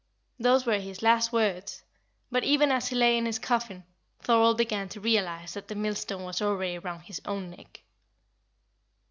Those were his last words; but, even as he lay in his coffin, Thorold began to realise that the millstone was already round his own neck.